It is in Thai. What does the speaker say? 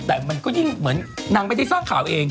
แต่มันก็ยิ่งเหมือนนางไม่ได้สร้างข่าวเอง